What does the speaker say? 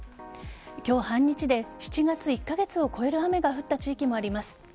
今日半日で７月１カ月を超える雨が降った地域もあります。